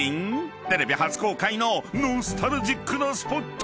［テレビ初公開のノスタルジックなスポット！］